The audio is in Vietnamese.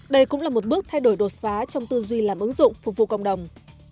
đây cũng là một bước thay đổi đột phá trong tư duy làm ứng dụng phục vụ cộng đồng